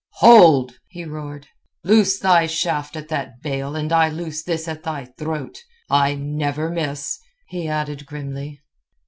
"Hold!" he roared. "Loose thy shaft at that bale, and I loose this at thy throat. I never miss!" he added grimly.